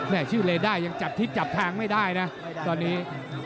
ชื่อเลด้ายังจับทิศจับแทงไม่ได้นะตอนนี้